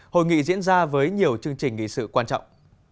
hội nghị diễn ra với nhiều chương trình nghị sự quan trọng